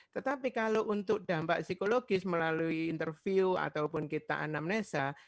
tetapi kalau untuk dampak psikologis melalui interview ataupun kita anamnesa